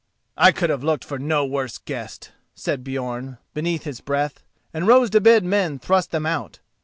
"I could have looked for no worse guests," said Björn, beneath his breath, and rose to bid men thrust them out.